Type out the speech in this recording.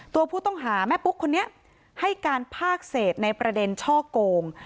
ตัวผู้ต้องหาแม่ปุ๊กคนนี้ให้การภาคเศษในประเด็นช่อโกง